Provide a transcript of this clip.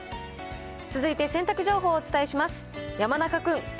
続いて洗濯情報をお伝えします。